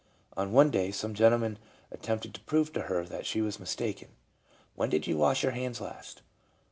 One day some gentlemen attempted to prove to her that she was mistaken. "When did you wash your hands last?"